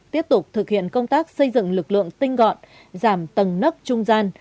tiếp tục thực hiện công tác xây dựng lực lượng tinh gọn giảm tầng nấc trung gian